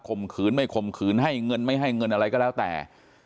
มขืนไม่ข่มขืนให้เงินไม่ให้เงินอะไรก็แล้วแต่